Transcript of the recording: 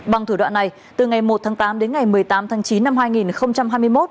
bằng thủ đoạn này từ ngày một tháng tám đến ngày một mươi tám tháng chín năm hai nghìn hai mươi một